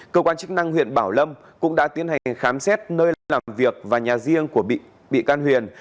cơ quan chức năng huyện bảo lâm cũng đã tiến hành khám xét nơi làm việc và nhà riêng của bị can huyền